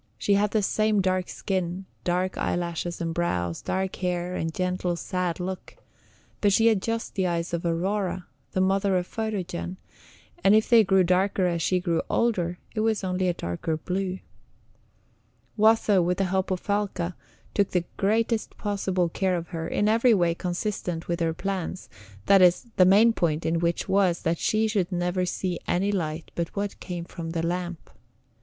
She had the same dark skin, dark eyelashes and brows, dark hair, and gentle, sad look; but she had just the eyes of Aurora, the mother of Photogen, and if they grew darker as she grew older, it was only a darker blue. Watho, with the help of Falca, took the greatest possible care of her in every way consistent with her plans, that is, the main point in which was that she should never see any light but what came from the lamp.